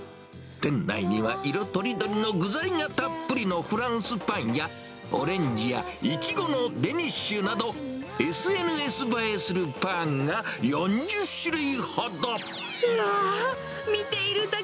店内には、色とりどりの具材がたっぷりのフランスパンや、オレンジやイチゴのデニッシュなど、ＳＮＳ映えするパンが４０種類ほど。